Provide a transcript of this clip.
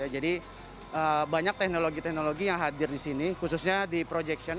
jadi banyak teknologi teknologi yang hadir di sini khususnya di projection